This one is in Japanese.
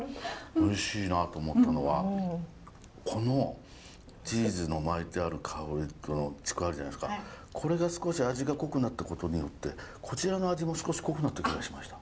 おいしいなと思ったのはこのチーズの巻いてある香りと竹輪あるじゃないですかこれが少し味が濃くなったことによってこちらの味も少し濃くなった気がしました。